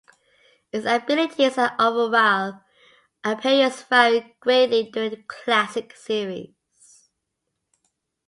Its abilities and overall appearance varied greatly during the classic series.